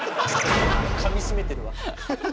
かみしめてるわ。